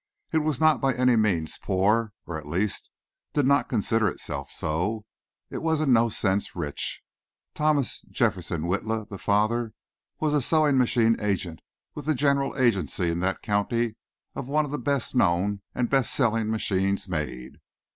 It was not by any means poor or, at least, did not consider itself so; it was in no sense rich. Thomas Jefferson Witla, the father, was a sewing machine agent with the general agency in that county of one of the best known and best selling machines made.